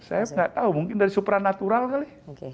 saya nggak tahu mungkin dari supranatural kali